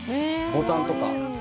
ボタンとか。